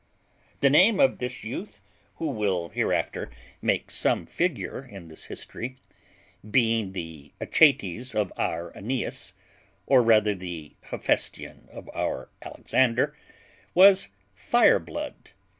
The name of this youth, who will hereafter make some figure in this history, being the Achates of our AEneas, or rather the Hephaestion of our Alexander, was Fireblood.